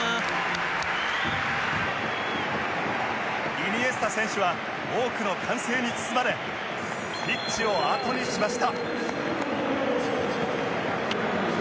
イニエスタ選手は多くの歓声に包まれピッチをあとにしました